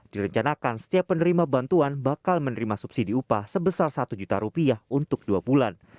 direncanakan setiap penerima bantuan bakal menerima subsidi upah sebesar satu juta rupiah untuk dua bulan